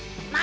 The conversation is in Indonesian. eh sani buat